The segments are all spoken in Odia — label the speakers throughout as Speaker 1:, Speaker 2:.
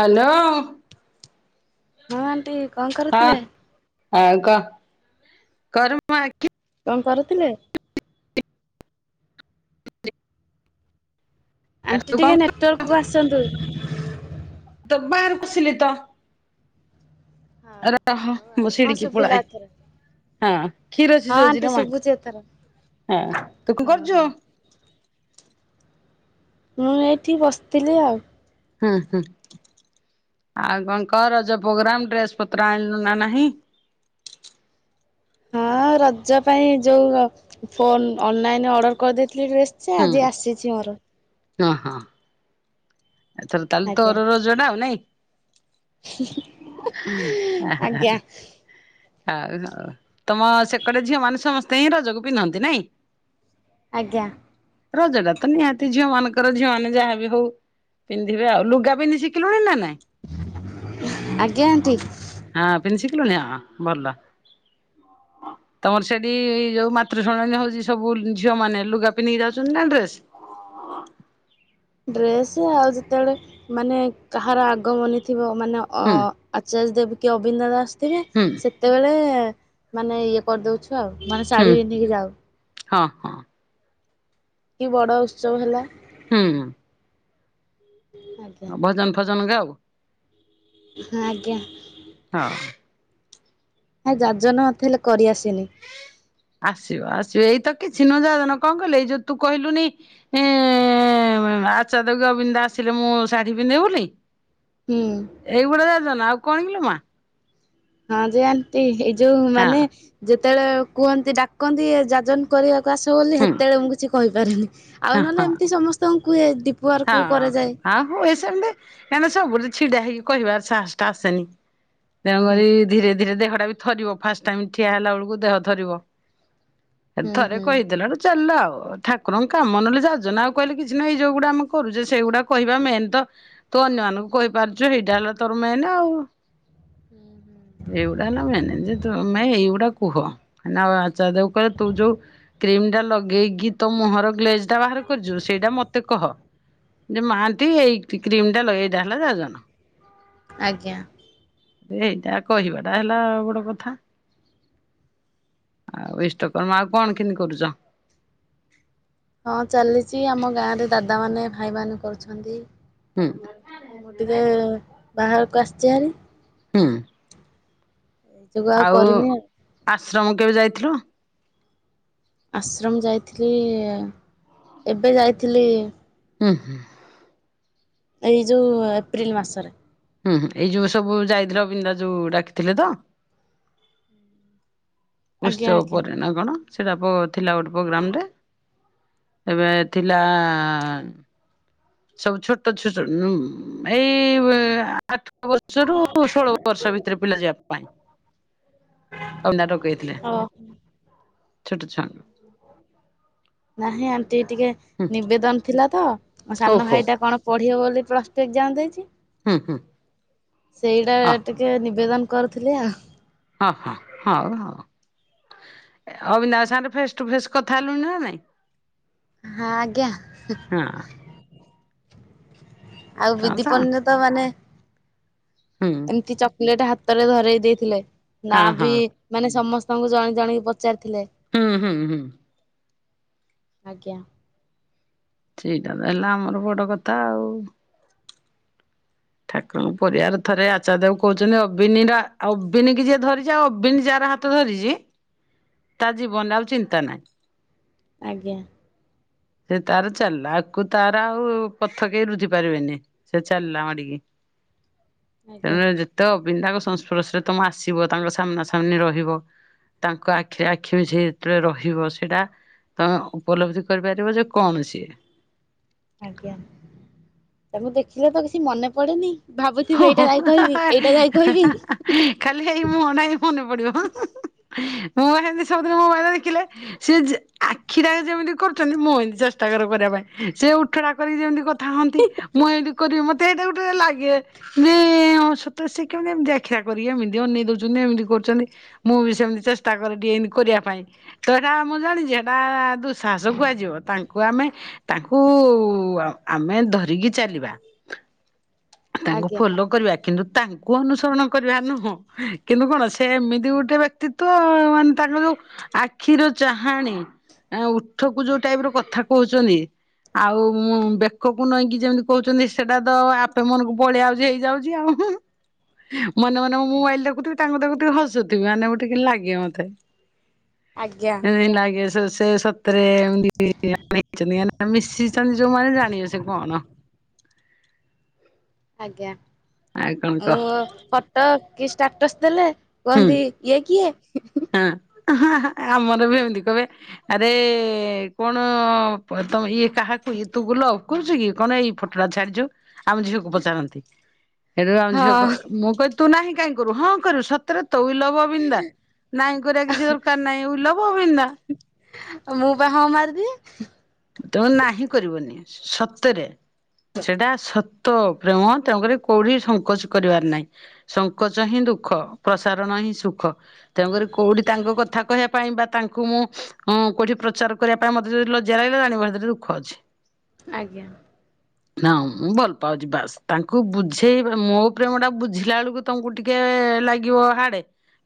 Speaker 1: ହାଲୋ।
Speaker 2: ହଁ ଆଣ୍ଟି କଣ
Speaker 1: ହଁ
Speaker 2: କରୁଥିଲେ?
Speaker 1: ଆଉ କ କର ମୋ ଆଖି
Speaker 2: କଣ କରୁଥିଲେ? ଆଣ୍ଟି
Speaker 1: ତୁ କଣ
Speaker 2: ଟିକେ ନେଟୱର୍କ କୁ ଆସନ୍ତୁ।
Speaker 1: ତ ବାହାରକୁ ଆସିଲି ତ।
Speaker 2: ହଉ
Speaker 1: ରହ
Speaker 2: ହଉ
Speaker 1: ମୁଁ
Speaker 2: ହଁ
Speaker 1: ଶିଡିକି
Speaker 2: ଶୁଭିଲା
Speaker 1: ପଳାଏ।
Speaker 2: ଏଥର।
Speaker 1: ହଁ କ୍ଷୀର ସିଜଉ ଚିଲ ମା।
Speaker 2: ଯେ ତାର
Speaker 1: ହଁ ତୁ କଣ କରୁଚୁ?
Speaker 2: ମୁଁ ଏଇଠି ବସିଥିଲି ଆଉ।
Speaker 1: ହୁଁ, ହୁଁ ଆଉ କଣ କ ରଜ ପ୍ରୋଗ୍ରାମ୍ ଡ୍ରେସ୍ ପତ୍ର ଆଣିଲୁ ନା ନାହିଁ?
Speaker 2: ହଁ ରଜ ପାଇଁ ଯୋଉ ଫୋନ୍ ଅନଲାଇନ୍ ଅର୍ଡର୍ କରିଦେଇଥିଲି ଡ୍ରେସ୍ ସେ ଆଜି ଆସିଛି ମୋର।
Speaker 1: ଅଁ, ହଁ। ଏଥର ତାହେଲେ
Speaker 2: ଆଜ୍ଞା
Speaker 1: ତୋର ରଜ ଟା ଆଉ ନାଇଁ? ଓ ହୋ,
Speaker 2: ଆଜ୍ଞା
Speaker 1: ହଁ। ଆଉ ହଉ ତୋମ ସେକଡ ଝିଅ ମାନେ ସମସ୍ତେ ହିଁ ରଜକୁ ପିନ୍ଧନ୍ତି ନାଇଁ?
Speaker 2: ଆଜ୍ଞା।
Speaker 1: ରଜ ଟା ତ ନିହାତି ଝିଅ ମାନଙ୍କର ଝିଅ ମାନେ ଯାହାବି ହଉ ପିନ୍ଧିବେ ଆଉ, ଲୁଗା ପିନ୍ଧି ଶିଖିଲୁଣି ନା ନାଇଁ?
Speaker 2: ଆଜ୍ଞା ଆଣ୍ଟି।
Speaker 1: ହଁ ପିନ୍ଧି ଶିଖିଲୁଣି ହଁ ଭଲ।
Speaker 2: ହ
Speaker 1: ତମର ସେଠି ଏଇ ଯୋଉ ମାତୃଶଣୀ ହଉଛି ସବୁ ଝିଅ ମାନେ ଲୁଗା ପିନ୍ଧି ଯାଉଛନ୍ତି ନା ଡ୍ରେସ?
Speaker 2: ଡ୍ରେସ୍ ଆଉ ଯେତେବେଳେ ମାନେ କାହାର ଆଗମନୀ ଥିବ ମାନେ
Speaker 1: ହୁଁ
Speaker 2: ଆଚାର୍ଯ୍ୟ ଦେବ କି ଅବିନ୍ଦ ଦାସ ଥିବେ
Speaker 1: ହୁଁ।
Speaker 2: କେତେବେଳେ ମାନେ ଇଏ କରିଦଉଛୁ ଆଉ ମାନେ
Speaker 1: ହୁଁ
Speaker 2: ଶାଢ଼ୀ ପିନ୍ଧିକି ଯାଉ।
Speaker 1: ହଁ ହଁ।
Speaker 2: କି ବଡ ଉତ୍ସବ ହେଲା
Speaker 1: ହୁଁ ହଁ।
Speaker 2: ଆଜ୍ଞା।
Speaker 1: ହଁ ଭଜନ ଫଜନ ଗା ଆାଉ
Speaker 2: ହଁ ଆଜ୍ଞା।
Speaker 1: ହଁ।
Speaker 2: ଆ ଯାଜନ ମତେ ହେଲେ କରିଆସିନି
Speaker 1: ଆସିବ ଆସିବ ଏଇତ କିଛି ନ ଯାଜନ କଣ କହିଲେ ଏଇ ଯୋଉ ତୁ କହିଲୁନି ହଁ ଆଚାଦବ ଅବିନ୍ଦ ଆସିଲେ ମୁଁ ଶାଢୀ ପିନ୍ଧେ ବୋଲି
Speaker 2: ହୁଁ।
Speaker 1: ଏଇଗୁଡା ଯାଜନ ଆଉ କଣ କ ମା
Speaker 2: ହଁ ଯେ ଆଣ୍ନ୍ତି ଏଇ ଯୋଉ
Speaker 1: ହଁ
Speaker 2: ମାନେ ଯେତେବେଳେ କୁହନ୍ତି ଡାକନ୍ତି ଏ ଯାଜନ କରିବାକୁ ଆସ ବୋଲି
Speaker 1: ହୁଁ
Speaker 2: ସେତେବେଳେ ମୁଁ କିଛି କହିପାରୁନି ଆଉ
Speaker 1: ହଁ
Speaker 2: ନହେଲେ
Speaker 1: ହଁ
Speaker 2: ଏମିତି ସମସ୍ତଙ୍କୁ କୁହେ ଡିପ୍
Speaker 1: ହଁ ଆଉ ହୁଏ ସେମିତି କାଁହିକି ନା ସବୁୁଠି ଛିଡା ହେଇକି କହିବାର ସାହସ ଟା ଆସେନି
Speaker 2: ହୁଁ
Speaker 1: ତେଣୁକରି ଧୀରେ ଧୀରେ ଦେହଟା ବି ଥରିବ ଫାଷ୍ଟ ଟାଇମ ଠିଆ ହେଲା ବେଳକୁ ଦେହ ଥରିବ।
Speaker 2: ହୁଁ
Speaker 1: ଥରେ
Speaker 2: ହୁଁ
Speaker 1: କହିଦେଡୁ ଚାଲିଲ ଆଉ ଠାକୁରଙ୍କ କାମ ନେଲେ ଯାଜନା ଆଉ କହିଲେ କିଛି ନହିଁ ଯୋଉ ଗୋଡା ଆମ କରୁଛେ ସେଗୁଡା କହିବା ମେନ୍ ତ। ତୁ ଅନ୍ୟମାନଙ୍କୁ କହିପାରୁଛୁ ଏଇଟା ହେଲା ତୋର ମେନ ଆଉ ଏଗୁଡା ହେଲା ମ୍ୟାନେଜ ତୁ ନାଇ ଏଗୁଡା କୁହ ଆଉ ଆ ଦେକୁ କହିଲ ତୁ ଯୋଉ କ୍ରିମ ଟା ଲଗେଇକି ତୋ ମୁହଁର ଗ୍ଲେଜ ଟା ବାହାର କରିଛୁ ସେଇଟା ମତେ କହ। ଯେ ମହାନ୍ତି ଏଇ କ୍ରିମ ଟା ଲଗେଇଟା ହେଲା ଯ [unintelligible]
Speaker 2: ଆଜ୍ଞା
Speaker 1: ରେ ଏଇଟା କହିବାଟା ହେଲା ଆଉ ବଡ କଥା। ଆଉ ରିଷ୍ଟ କର୍ମ ଆଉ କଣ କେମିତି କରୁଛ?
Speaker 2: ହଁ ଚାଲିଛି ଆମ ଗାଁରେ ଦାଦାମାନେ ଭାଇମାନେ କରୁଛନ୍ତି।
Speaker 1: ହୁଁ
Speaker 2: ମୁଁ ଟିକେ ବାହାରକୁ ଆସିଛି ହାରି
Speaker 1: ହୁଁ।
Speaker 2: ଏଇ ଯୋଗୁ
Speaker 1: ଆଉ
Speaker 2: କରିନି
Speaker 1: ଆଶ୍ରମ କେବେ ଯାଇଥିଲୁ?
Speaker 2: ଆଶ୍ରମ ଯାଇଥିଲି ଏବେ ଯାଇଥିଲି
Speaker 1: ହୁଁ ହୁଁ।
Speaker 2: ଏଇ ଯେଉଁ ଏପ୍ରିଲ ମାସରେ
Speaker 1: ହୁଁ ଏଇ ଯୋଉ ସବୁ ଯାଇଥିଲ ବିନ୍ଧା ଯୋଉ ଡାକିଥିଲେ ତ
Speaker 2: ଆଜ୍ଞା
Speaker 1: ଉତ୍ସବ
Speaker 2: ଆଜ୍ଞା
Speaker 1: ପରେ ନା କଣ? ସେଇଟା ପ ଥିଲା ଗୋଟେ ପ୍ରୋଗ୍ରାମରେ ଏବେ ଥିଲା ସବୁ ଛୋଟ ଛୋଟ ଏଇ ଆଠ ବର୍ଷରୁ ଷୋଳ ବର୍ଷ ଭିତରେ ପିଲା ଯିବା ପାଇଁ। ଆଉ ନାଟ କହିଥିଲେ
Speaker 2: ଓହୋ
Speaker 1: ଛୋଟ ଛୁଆଙ୍କୁ
Speaker 2: ନାହିଁ ଆଣ୍ଟି ଟିକେ
Speaker 1: ହୁଁ
Speaker 2: ନିବେଦନ ଥିଲା ତ ମୋ ସାନ
Speaker 1: ଓହୋ
Speaker 2: ଭାଇଟା କଣ ପଢିବ ବୋଲି ପ୍ଲସ ଟୁ ଏକ୍ଜାମ ଦେଇଛି
Speaker 1: ହୁଁ ହୁଁ।
Speaker 2: ସେଇଟା
Speaker 1: ଅ
Speaker 2: ଟିକେ ନିବେଦନ କରୁଥିଲି ଆ
Speaker 1: ହଁ ହଁ ହଁ। ଅବିନାଶ ସାଙ୍ଗରେ ଫେସ ଟୁ ଫେସ କଥା ହେଲୁଣି ନା ନାଇଁ?
Speaker 2: ହଁ ଆଜ୍ଞା।
Speaker 1: ହଁ।
Speaker 2: ଆଉ
Speaker 1: ତ
Speaker 2: ବିଧି ପଣ୍ଡିତ ମାନେ
Speaker 1: ହୁଁ
Speaker 2: କି ଚକୋଲେଟ ହାତରେ ଧରେଇ ଦେଇଥିଲେ। ନା
Speaker 1: ହଁ
Speaker 2: ବି
Speaker 1: ହଁ
Speaker 2: ମାନେ ସମସ୍ତଙ୍କୁ ଜଣ ଜଣେକି ଜଣେକି ପଚାରିଥିଲେ।
Speaker 1: ହୁଁ ହୁଁ ହୁଁ।
Speaker 2: ଆଜ୍ଞା।
Speaker 1: ସେଇଟା ତ ହେଲା ଆମର ବଡ କଥା ଆଉ। ଠାକୁରଙ୍କ ପରିବାର ଥରେ ଆଚାର ଦେବ କହୁଛନ୍ତି ଅବିନିବିନ କି ଯିଏ ଧରିଛି ଅବିନ ଯାର ହାତ ତ ଧରିଛି। ତା ଜୀବନରେ ଆଉ ଚିନ୍ତା ନାହିଁ।
Speaker 2: ଆଜ୍ଞା।
Speaker 1: ସେ ତାର ଚାଲିଲା ଆକୁ ତାର ଆଉ ପଥ କେହି ରୁଝି ପାରିବେନି। ସେ ଚାଲିଲା ମାଡ଼ିକି।
Speaker 2: ଆଜ୍ଞା
Speaker 1: ତେଣୁ ତ ଅବିନ୍ଦାଙ୍କ ସଂସ୍ପର୍ଶରେ ତମ ଆସିବ ତାଙ୍କ ସାମ୍ନା ସାମ୍ନି ରହିବ। ତାଙ୍କ ଆଖିରେ ଆଖି ମିଶେଇକି ଯେତେବେଳେ ରହିବ ସେଇଟା ତମେ ଉପଲବ୍ଧି କରିବାର। କଣ ସିଏ?
Speaker 2: ଆଜ୍ଞା ତାଙ୍କୁ ଦେଖିଲେ ତ କିଛି ମନେ ପଡ଼େନି।
Speaker 1: ହୋ
Speaker 2: ଭାବୁଥିବେ
Speaker 1: ହୋ
Speaker 2: ଏଇଟା ଯାଈ କହିବି ଏଇଟା ଯାଇ କହିବି।
Speaker 1: ଖାଲି ହେଇ ମୁହଁଟା ହିଁ ମନେ ପଡିବ ମୁଁ ଏତି ସବୁଦିନ ମୋବାଇ ଦେଖିଲେ। ସେ ଆଖିଟା ଯେମିତି କରୁଛନ୍ତି ମୋ ଏ ଚେଷ୍ଟା କର କରିବା ପାଇଁ ସେ ଉଠଡା କରିକି ଯେମିତି କଥା ହୁଅନ୍ତି ମୁଁ ଏଇଠି କରିବି ମତେ ଏଇଟା ଗୋଟେ ଲାଗେ। ନଁଁ ସତ ସେ କେମିତି ଏମିତି ଆଖିଆ କରିକି ଏମିତି ଅନେଇ ଦଉଛନ୍ତିୁ ଏମିତି କରୁଛନ୍ତି। ମୁଁ ବି ସେମିତି ଚେଷ୍ଟା କରେକି ଏମିତି କରିବା ପାଇଁ। ତ ଏଟା ମୁଁ ଜାଣିଛି ସେଟା ଦୁଃସାହସ କୁହାଯିବ ତାଙ୍କୁ ଆମେ ତାଙ୍କୁ ଆମେ ଧରିକି ଚାଲିବା। ତାଙ୍କୁ
Speaker 2: ଆଜ୍ଞା
Speaker 1: ଫଲୋ କରିବା କିନ୍ତୁ ତାଙ୍କୁ ଅନୁସରଣ କରିବା ନୁହଁ। କିନ୍ତୁ କଣ ସେ ଏମିତି ଗୋଟେ ବ୍ୟକ୍ତିତ୍ୱ ମାନେ ତାଙ୍କର ଯୋଉ ଆଖିରଚାହାଣୀ ଉଠକୁ ଯୋଉ ଟାଇପ ର କଥା କହୁଛନ୍ତି। ଆଉଁ ବେକକୁ ନେଇକି ଯେମିତି କହୁଛନ୍ତି ସେଟା ତ ଆ ତମେ ମନକୁ ପଳେଇଆଉଛି ହେଇଯାଉଛି ଆଉ। ମନେ ମନେ ମୁଁ ମୋବାଇଲ ଦେଖୁଥିବି ତାଙ୍କୁ ଦେଖୁଥିବି ହସଥିବ ମାନେ ଗୋଟେ କେମିତି ଲାଗିବେ ମତେ।
Speaker 2: ଆଜ୍ଞା
Speaker 1: ହଁ ଲାଗି ସେ ସେ [unintelligible] ମିଶିଛନ୍ତି ଯୋଉମାନେ ଜାଣିବ ସେ କଣ
Speaker 2: ଆଜ୍ଞା
Speaker 1: ଆଉ କଣ
Speaker 2: ମୁ
Speaker 1: କହ
Speaker 2: ଫଟୋ କି ଷ୍ଟାଟସ୍ ଦେଲେ
Speaker 1: ହୁଁ।
Speaker 2: କୁହନ୍ତି। ଇଏ କିଏ?
Speaker 1: ହଁ ଆମର ବି ଏମିତି କହିବେ। ଆରେ କଣ ତମ ଇଏ? କାହାକୁ ତୁ ଗୁଲ କରୁଛୁ କି କଣ ଏଇ ଫଟୋଟା ଛାଡିଛୁ। ଆମ ଝିଅକୁ ପଚାରନ୍ତି ଏବେ ଆମ ଝିଅକୁ
Speaker 2: ହଁ
Speaker 1: ମୁଁ କହିଛି ତୁ ନାହିଁ କାଇହିଁ କରୁ ହଁ କରିବୁ ସତରେ ତୋ ଲବ ବିିନ୍ଦା। ନାଇଁ କରିବା କିଛି ଦରକାର ନାହିଁ ଉଲଭ ବିନ୍ଦା।
Speaker 2: ମୁଁ ବା ହଁ ମାରିବି।
Speaker 1: ତେଣୁ ନାହିଁ କରିବନି ସତରେ ସେଇଟା ସ ତ ପ୍ରେମ ତାଙ୍କରି କୋଉଠି ସଙ୍କୋଚ କରିବାର ନାହିଁ। ସଙ୍କୋଚ ହିଁ ଦୁଃଖ ପ୍ରସାରଣ ହିଁ ସୁଖ। ତେଣୁକରି କୋଉଠି ତାଙ୍କ କଥା କହିବା ପାଇଁ ବା ତାଙ୍କୁ ମୁଁଁ କୋଉଠି ପ୍ରଚାର କରିବା ପାଇଁ ମତେ ଯଦି ଲ ଜାଲାଇଲେ ଜାଣିବ ସେଥିରେ ଦୁଃଖ ଅଛି।
Speaker 2: ଆଜ୍ଞା।
Speaker 1: ହ ମୁଁ ଭଲ ପାଉଛି ବାସ ତାଙ୍କୁ ବୁଝେଇ ମୋ ପ୍ରେମ ଟା ବୁଝିଲା ବେଳକୁ ତମକୁ ଟିକେ ଲାଗିବ ହାଡେ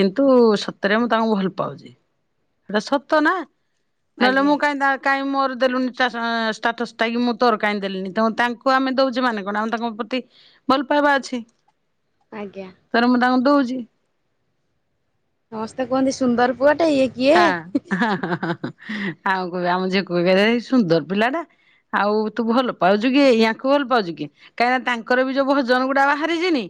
Speaker 1: କିନ୍ତୁ ସତରେ ମୁଁ ତାଙ୍କୁ ଭଲ ପାଉଛି। ସେଟା ସତ ନା ନହେଲେ
Speaker 2: ଆଜ୍ଞା।
Speaker 1: ମୁଁ କାହିଁ କାହିଁ ମୋର ଦେଲୁନି ଷ୍ଟାଟସ୍ ଟ କି ମୁଁ ତୋର କାହିଁ ଦେଲିନି ତ ତାଙ୍କୁ ଆମେ ଦଉଛେ ମାନେ କଣ ଆମ ତାଙ୍କ ପ୍ରତି ଭଲ ପାଇବା ଅଛି।
Speaker 2: ଆଜ୍ଞା।
Speaker 1: ତରେ ମୁଁ ତାଙ୍କୁ ଦଉଛି।
Speaker 2: ସମସ୍ତେ କୁହନ୍ତି ସୁନ୍ଦର ପୁଅଟେ ଇଏ କିଏ
Speaker 1: ହଁ ଆଉ କହ ଆମ ଯ କହ ସୁନ୍ଦର ପିଲା ଟା। ଆଉ ତୁ ଭଲ ପାଉଛୁ କି ୟାକୁୁ ଭଲ ପାଉଛୁ କି? କାହିଁକିନା ତାଙ୍କର ବି ଯୋଉ ଭୋଜନ ଗୁଡା ବାହାରିଛିନି।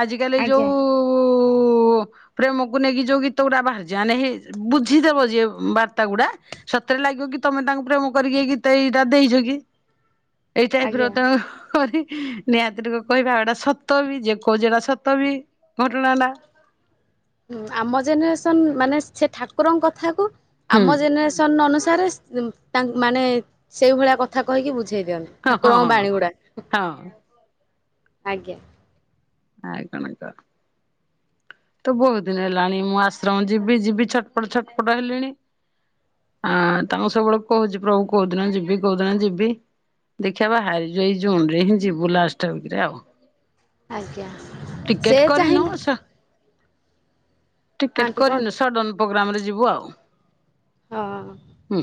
Speaker 1: ଆଜିକାଲି
Speaker 2: ଆଜ୍ଞା
Speaker 1: ଯୋଉ ପ୍ରେମକୁ ନେଇକି ଯୋଉ ଗୀତ ଗୁଡା ବାହାରିଛି ବୁଝିଦେବ ଯିଏ ବାର୍ତ୍ତା ଗୁଡ଼ା ସତରେ ଲାଗିବ କି ତମେ ତାଙ୍କୁ ପ୍ରେମ କରିକି ଗତ ଏଇଟା ଦେଇଛ କି। ଏଇ ଟାଇପର
Speaker 2: ଆଜ୍ଞା।
Speaker 1: ତ ଅଛି। ନିହାତିରୀ କହିବା ଏଟା ସତ ବି ଯଏ କହୁଛିଟା ସତ ବି ଘଟଣାଟା।
Speaker 2: ଆମ ଜେନେରେସନ୍ ମାନେ ସେ ଠାକୁରଙ୍କ କଥାକୁ
Speaker 1: ହୁଁ
Speaker 2: ଆମ ଜେନେରେସନ୍ ଅନୁସାରେ ତା ମାନେ ସେଇଭଳିଆ କଥା କହିକି ବୁଝେଇ ଦିଅନ୍ତି।
Speaker 1: ହଁ ହଁ
Speaker 2: ଠାକୁରଙ୍କ
Speaker 1: ହଁ
Speaker 2: ବାଣୀ ଗୁଡା।
Speaker 1: ହଁ
Speaker 2: ଆଜ୍ଞା।
Speaker 1: [unintelligible] ତ ବହୁତ ଦିନ ହେଲାଣି ମୁଁ ଆଶ୍ରମ ଯିବି ଯିବି ଛଟପଟ ଛଟପଟ ହେଲିଣି। ହଁ ତାଙ୍କୁ ସବୁବେଳେ କହୁଛି ପ୍ରଭୁ କୋଉ ଦିନ ଯିବି କୋଉ ଦିନ ଯିବି। ଦେଖିବା ବାହାରି ଏଇ ଜୁନ ରେ ହିଁ ଯିବୁ ଲାଷ୍ଟିକରେ ଆଉ।
Speaker 2: ଆଜ୍ଞା ସେ
Speaker 1: ଟିକେଟ କରିନୁ
Speaker 2: ଚାହିଁଲେ
Speaker 1: ଆଶା
Speaker 2: ହଁ
Speaker 1: ଟିକେଟ
Speaker 2: ଆଣ୍ଟି
Speaker 1: କରିନୁ
Speaker 2: କୁହନ୍ତୁ।
Speaker 1: ସଡ଼ନ ପ୍ରୋଗ୍ରାମ ରେ ଯିବୁ ଆଉ।
Speaker 2: ହଁ।
Speaker 1: ହୁଁ।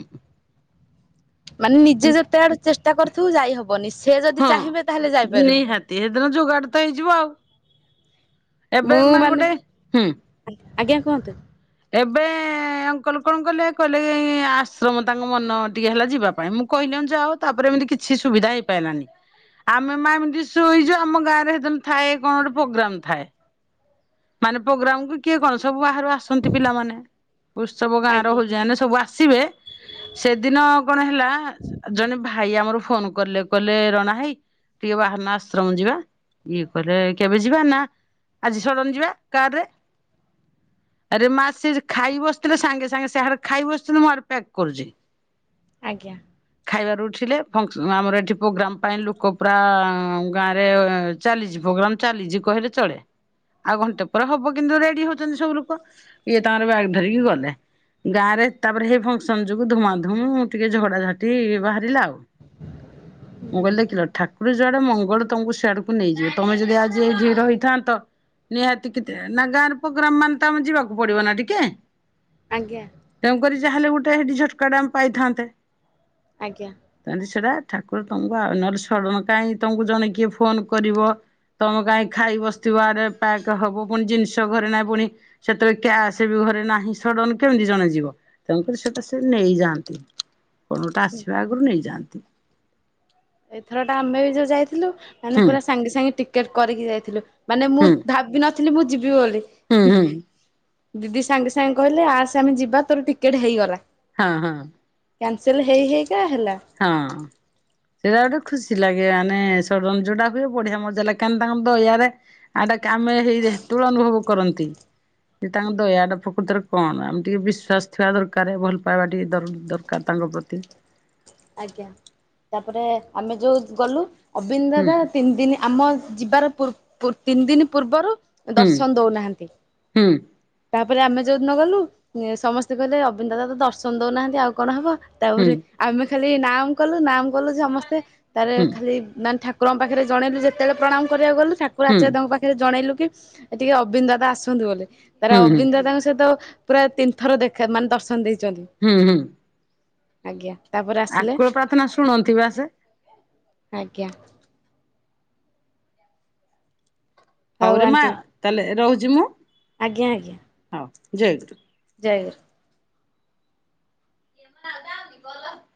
Speaker 2: ମାନେ ନିଜେ ଯେତେ ଆଡୁ ଚେଷ୍ଟା କରିୁଥିବୁ ଯାଇ ହ
Speaker 1: ହଁ ନିହାତି ସେଦିନ ଯୋଗାଡ ତ ହେଇଯିବ ଆଉ। ଏବେ
Speaker 2: ମୁଁ
Speaker 1: ମା
Speaker 2: ମାନେ
Speaker 1: ଗୋଟେ ହୁଁ।
Speaker 2: ଆଜ୍ଞା କୁହନ୍ତୁ।
Speaker 1: ଏବେ ଅଙ୍କଲ କଣ କଲେ କହିଲେ ଆଶ୍ରମ ତାଙ୍କ ମନ ଟିକେ ହେଲା ଯିବା ପାଇଁ ମୁଁ କହିଲି ଯାଅ। ତାପରେ ଏମିତି କିଛି ସୁବିଧା ହେଇପାଇଲାନି। ଆମେ ମାନ ଏମିତି ଶୋଇଛୁ ଆମ ଗାଁରେ ହେଦ ଥାଏ କଣ ଗୋଟେ ପ୍ରୋଗ୍ରାମ ଥାଏ ମାନେ ପ୍ରୋଗ୍ରାମ କୁ କିଏ କଣ ସବୁ ବାହାରୁ ଆସନ୍ତି ପିଲାମାନେ ଉତ୍ସବ ଗାଁ ର
Speaker 2: ଆଜ୍ଞା
Speaker 1: ହଉଛିନେ ସବୁ ଆସିବେ। ସେଦିନ କଣ ହେଲା ଜଣେ ଭାଇ ଆମର ଫୋନ କଲେ କହିଲେ ରଣା ଭାଇ। ଟିକେ ବାହାରୁନା ଆଶ୍ରମ ଯିବା ଇଏ କହଲେ କେବେ ଯିବା ନା ଆଜି ସଡ଼ନ ଯିବା କାରରେ। ଆରେ ମା ସେ ଖାଇ ବସିଥିଲେ ସାଙ୍ଗେ ସାଙ୍ଗେ ସେ ଖାଇ ବସିଥିଲେ ମୁଁ ଆଡେ ପ୍ୟାକ୍ କରୁଛି।
Speaker 2: ଆଜ୍ଞା।
Speaker 1: ଖାଇବାରୁ ଉଠିଲେ ଫ ଆମର ଏଠି ପ୍ରୋଗ୍ରାମ ପାଇଁ ଲୋକ ପୁରା ଗାଁରେ ଚାଲିଛି ପ୍ରୋଗ୍ରାମ ଚାଲିଛି କହିଲେ ଚଳେ। ଆଉ ଘଣ୍ଟେ ପରେ ହବ କିନ୍ତୁ ରେଡି ହଉଛନ୍ତି ସବୁ ଲୋକ ଇଏ ତାଙ୍କର ବ୍ୟାଗ ଧରିକି ଗଲେ। ଗାଁ ରେ ତାପରେ ସେଇ ଫଙ୍କସନ ଯୋଗୁ ଧୁଆଧୁମଁ ଟିକେ ଝଡା ଝାଟି ବାହାରିଲା ଆଉ। ମୁଁ କହିଲି ଦେଖିଲ ଠାକୁର ଯୁଆଡେ ମଙ୍ଗଳ ତମକୁ ସିଆଡକୁ ନେଇଯିବେ। ତମେ ଯଦି ଆଜି ଏଇଠି ରହିଥାନ୍ତ ନିହାତି କେ ନା ଗାଁର ପ୍ରୋଗ୍ରାମ ମାନେ ତ ଆମେ ଯିବାକୁ ପଡିବ ନା ଟିକେ।
Speaker 2: ଆଜ୍ଞା।
Speaker 1: ତେଣୁକରି ଯାହେଲେ ଗୋଟେ ଏମିତି ଝଟକାଟେ ଆମେ ପାଇଥାନ୍ତେ।
Speaker 2: ଆଜ୍ଞା।
Speaker 1: ତାେତି ସେଟା ଠାକୁର ତଙ୍କୁ ଆଉ ନହେଲେ ସଡ଼ଣ କାହିଁ ତଙ୍କୁ ଜଣେ କିଏ ଫୋନ କରିବ ତମେ କାହିଁ ଖାଇ ବସିଥିବା ଆଡେ ପକ୍ ହବ ପୁଣି ଜିନିଷ ଘରେ ନାହିଁ ପୁଣି ସେତେବେଳେ କ୍ୟାସ ବି ଘରେ ନାହିଁ ସଡନ କେମିତି ଜଣେ ଯିବ? ତେଣୁକରି ସେଟା ସେ ନେଇଯାଆନ୍ତି କଣଟା ଆସିବା ଆଗରୁ ନେଇଯାଆନ୍ତି।
Speaker 2: ଏଥର ଟା ଆମେ ବି ଯୋଉ ଯାଇଥିଲୁ ମାନେ
Speaker 1: ହୁଁ
Speaker 2: ପୁରା ସାଙ୍ଗେ ସାଙ୍ଗେ ଟିକେଟ କରିକି ଯାଇଥିଲୁ। ମାନେ ମୁଁ
Speaker 1: ହୁଁ
Speaker 2: ଭାବି ନଥିଲି ମୁଁ ଯିବି ବୋଲି।
Speaker 1: ହୁଁ ହୁଁ
Speaker 2: ଦିଦି ସାଙ୍ଗେ ସାଙ୍ଗେ କହିଲେ ଆସେ ଆମେ ଯିବା ତୋର ଟିକେଟ ହେଇଗଲା।
Speaker 1: ହଁ ହଁ।
Speaker 2: କ୍ୟାନସେଲ୍ ହେଇ ହେଇକା ହେଲା।
Speaker 1: ହଁ। ସେଇଟା ଗୋଟେ ଖୁସି ଲାଗେ ମାନେ ସଡନ୍ ହୁଏ ବଢିଆ ମଜା ଲାଗେ କାହି ତାଙ୍କ ଦଇଆରେ ଆଟା କାମେ ହେଇ ତୁଳ ଅନୁଭବ କରନ୍ତି ଯେ ତାଙ୍କ ଦୟାଟା ପ୍ରକୃତରେ କଣ ଆମେ ଟିକେ ବିଶ୍ଵାସ ଥିବା ଦରକାର ଭଲ ପାଇବା ଟିକେ ଦରକାର ତାଙ୍କ ପ୍ରତି।
Speaker 2: ଆଜ୍ଞା ତାପରେ ଆମେ ଯୋଉ ଗଲୁ ଅବିନି
Speaker 1: ହୁଁ
Speaker 2: ଦାଦା ତିନି ଦିନ ଆମ ଯିବାର ପୂର୍ ପୂର୍ ତିନି ଦିନ ପୂର୍ବରୁ
Speaker 1: ହୁଁ
Speaker 2: ଦର୍ଶନ ଦଉନାହାନ୍ତି।
Speaker 1: ହୁଁ
Speaker 2: ତାପରେ ଆମେ ଯୋଉଦିନ ଗଲୁ ସମସ୍ତେ କହିଲେ ଅବିନ୍ଦଦା ତ ଦର୍ଶନ ଦଉନାହାନ୍ତି ଆଉ କଣ ହବ।
Speaker 1: ହୁଁ
Speaker 2: ତାପରେ ଆମେ ଖାଲି ନାମ କଲୁ ନାମ୍ କଲୁ ସମସ୍ତେ ତାର
Speaker 1: ହୁଁ
Speaker 2: ଖାଲି ନ ଠାକୁ ଠାକୁରଙ୍କ ପାଖରେ ଯଣେଇିଲୁ ଯେତେଳେ ପ୍ରଣାମ କରିବାକୁ ଗଲୁ ଠାକୁର
Speaker 1: ହୁଁ
Speaker 2: ଆଚଯ୍ୟଙ୍କ ଦେବଙ୍କ ପାଖ ଜଣେଇଲୁ କି ଟିକେ ଅବିନ୍ଦଦାଦା ଆସନ୍ତୁ ବୋଲି
Speaker 1: ହୁଁ
Speaker 2: ତାର
Speaker 1: ହୁଁ
Speaker 2: ଅବିନ୍ଦ ଦାଦାଙ୍କ ସହିତ ପୁରା ତିନି ଥର ଦେଖା ମାନେ ଦର୍ଶନ ଦେଇଛନ୍ତି।
Speaker 1: ହୁଁ ହୁଁ।
Speaker 2: ଆଜ୍ଞା ତାପରେ ଆସିଲେ
Speaker 1: ଆକୁଳ ପ୍ରାର୍ଥନା ଶୁଣନ୍ତି ବା ସେ
Speaker 2: ଆଜ୍ଞା। ହଉ
Speaker 1: ହଉରେ ମା
Speaker 2: ଆଣ୍ଟି
Speaker 1: ତାହେଲେ ରହୁଛି ମୁଁ।
Speaker 2: ଆଜ୍ଞା ଆଜ୍ଞା।
Speaker 1: ହଉ ଜୟ ଗୁରୁ।
Speaker 2: ଜୟ ଗୁରୁ।
Speaker 1: [inaudible]